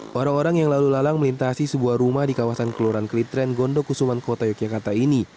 para orang yang lalu lalang melintasi sebuah rumah di kawasan kelurahan klitren gondok kusuman kota yogyakarta ini